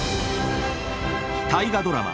大河ドラマ